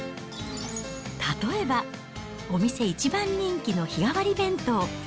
例えば、お店一番人気の日替わり弁当。